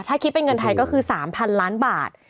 ถ้าคิดเป็นเงินไทยก็คือ๓๐๐๐ล้านบาท